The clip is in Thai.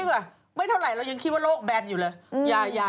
ไม่เท่าไหร่เรายังคิดว่าโลกแบนอยู่เลย